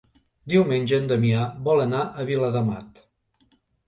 Diumenge en Damià vol anar a Viladamat.